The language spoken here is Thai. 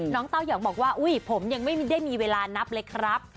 เต้ายองบอกว่าอุ๊ยผมยังไม่ได้มีเวลานับเลยครับ